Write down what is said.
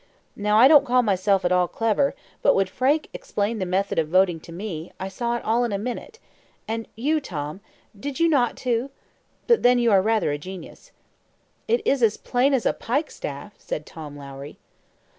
Now I don't call myself at all clever, but when Frank explained the method of voting to me, I saw it all in a minute and you, Tom did not you, too? but then you are rather a genius." "It is as plain as a pikestaff," said Tom Lowrie.